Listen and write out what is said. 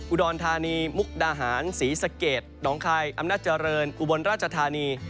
อุดรธานีมุกดาหารศรีสะเกดหนองคายอำนาจเจริญอุบลราชธานี